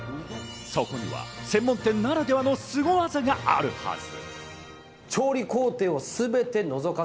そこには専門店ならではのスゴ技があるはず。